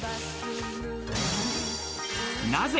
なぜ？